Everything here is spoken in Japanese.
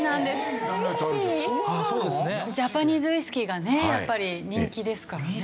ジャパニーズウイスキーがやっぱり人気ですからね。